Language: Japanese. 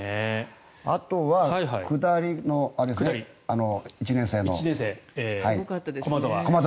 あとは下りの１年生の駒澤。